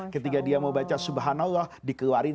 ketika dia mau baca subhanallah dikeluarin